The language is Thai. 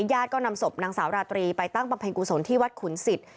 ญาติก็นำศพนางสาวราตรีไปตั้งบำเพ็ญกุศลที่วัดขุนศิษย์